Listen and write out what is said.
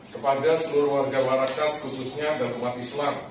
kepada seluruh warga warga khas khususnya dan umat islam